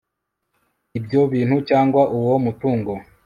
ibyo bintu cyangwa uwo mutungo